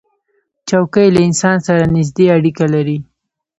چوکۍ له انسان سره نزدې اړیکه لري.